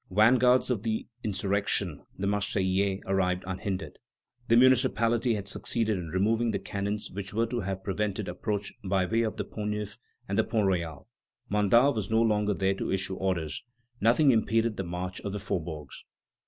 Vanguards of the insurrection, the Marseillais arrived unhindered. The municipality had succeeded in removing the cannons which were to have prevented approach by way of the Pont Neuf and the Pont Royal. Mandat was no longer there to issue orders. Nothing impeded the march of the faubourgs.